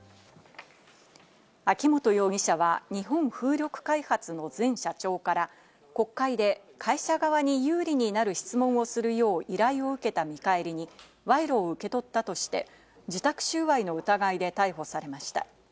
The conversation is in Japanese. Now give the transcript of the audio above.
秋本容疑者は日本風力開発の前社長から国会で会社側に有利になる質問をするよう依頼を受けた見返りに、賄賂を受け取ったとして、受託収賄の疑いで逮捕されました。